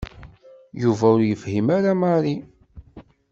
Yuba ur yefhim ara Mary.